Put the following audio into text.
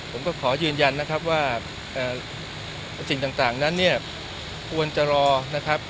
ผมก็ขอยืนยันนะครับว่าสิ่งต่างนั้นเนี่ยควรจะรอนะครับ